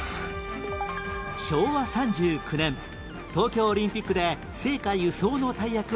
昭和３９年東京オリンピックで聖火輸送の大役を果たし